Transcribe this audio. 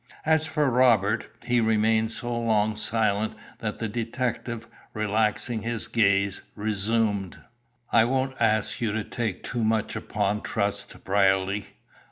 As for Robert, he remained so long silent that the detective, relaxing his gaze, resumed "I won't ask you to take too much upon trust, Brierly.